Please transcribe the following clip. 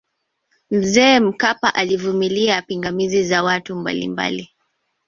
mzee mkapa alivumilia pingamizi za watu mbalimbali